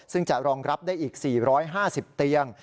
ซึ่งจะรองรับได้อีก๔๕๐เตียง